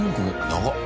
長っ！